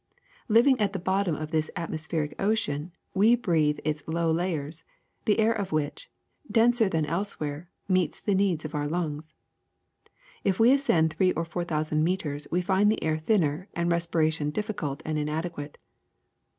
Living at the bottom of this atmospheric ocean, we breathe its lower layers, the air of which, denser than elsewhere, meets the needs of our lungs. If we ascend three or four thousand meters we find the air thinner and respiration difficult and inadequate.